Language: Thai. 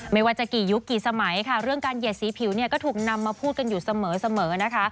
ไม่ว่าจะกี่ยุคกี่สมัยค่ะเรื่องการเหยียดสีผิวเนี่ยก็ถูกนำมาพูดกันอยู่เสมอนะคะ